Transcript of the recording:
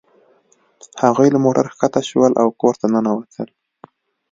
هغوی له موټر ښکته شول او کور ته ننوتل